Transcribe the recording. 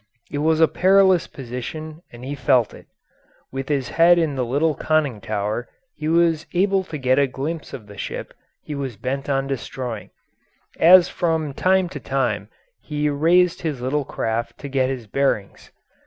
It was a perilous position and he felt it. With his head in the little conning tower he was able to get a glimpse of the ship he was bent on destroying, as from time to time he raised his little craft to get his bearings.